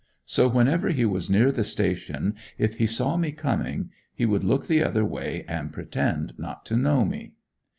So, whenever he was near the station, if he saw me coming, he would look the other way, and pretend not to know me.